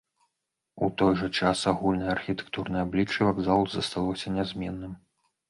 У той жа час агульнае архітэктурнае аблічча вакзалу засталося нязменным.